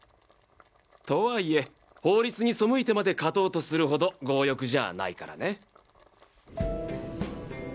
とはいえ法律に背いてまで勝とうとするほど強欲じゃあないからね。